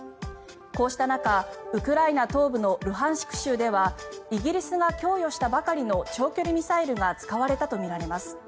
こうした中、ウクライナ東部のルハンシク州ではイギリスが供与したばかりの長距離ミサイルが使われたとみられます。